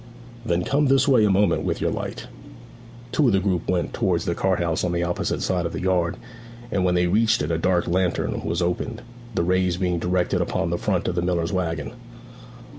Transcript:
'Then come this way a moment with your light.' Two of the group went towards the cart house on the opposite side of the yard, and when they reached it a dark lantern was opened, the rays being directed upon the front of the miller's waggon.